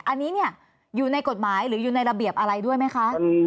อันนี้เนี่ยอยู่ในกฎหมายหรืออยู่ในระเบียบอะไรด้วยไหมคะ